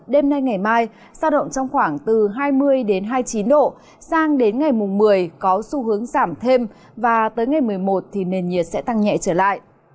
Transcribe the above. đêm nay ngày mai sao động trong khoảng từ hai mươi hai mươi chín độ sang đến ngày mùng một mươi có xu hướng giảm thêm và tới ngày một mươi một thì nền nhiệt sẽ tăng nhẹ trở lại